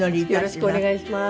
よろしくお願いします。